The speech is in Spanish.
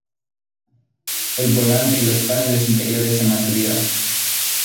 El volante y los paneles interiores se mantuvieron.